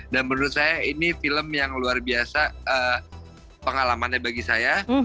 dan menurut saya ini film yang luar biasa pengalamannya bagi saya